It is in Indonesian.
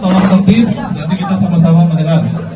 mas peggy diperiksa apa aja kemarin